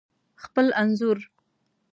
خپل انځور